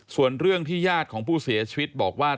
ส่วนเรื่องที่ญาติของผู้เสียชีวิตบอกว่า